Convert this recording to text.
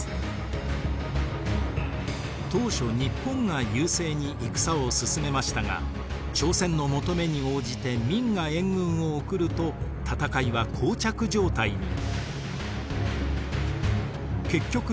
当初日本が優勢に戦を進めましたが朝鮮の求めに応じて明が援軍を送ると戦いはこう着状態に。